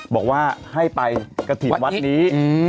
บอกว่าให้ไปกระถิ่นวัดนี้